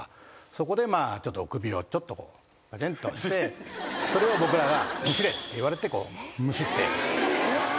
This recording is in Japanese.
そこで首をちょっとこうパチンとしてそれを僕らが「むしれ」って言われてむしって。